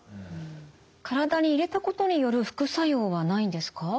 体に入れたことによる副作用はないんですか？